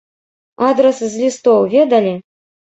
Адрас з лістоў ведалі?